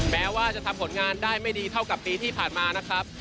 แม้ว่าจะทำผลงานได้ไม่ดีเท่ากับปีที่ผ่านมานะครับ